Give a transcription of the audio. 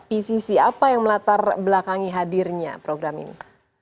pcc apa yang melatar belakangi hadirnya program ini